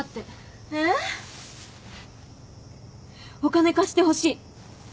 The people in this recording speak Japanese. えっ？お金貸してほしい。